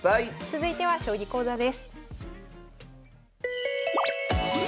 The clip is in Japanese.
続いては将棋講座です。